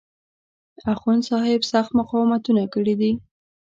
اخوندصاحب سخت مقاومتونه کړي دي.